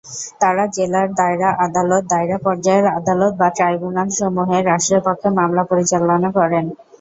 তারা জেলার দায়রা আদালত, দায়রা পর্যায়ের আদালত বা ট্রাইব্যুনালসমূহে রাষ্ট্রের পক্ষে মামলা পরিচালনা করেন।